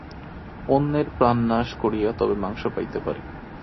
অন্যের প্রাণনাশ করিয়া তবে মাংস পাইতে পারি।